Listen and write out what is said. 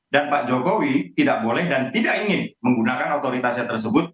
dan pak jokowi tidak boleh dan tidak ingin menggunakan otoritasnya tersebut